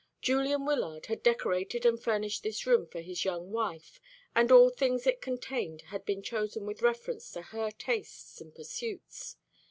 Julian Wyllard had decorated and furnished this room for his young wife; and all things it contained had been chosen with reference to her tastes and pursuits.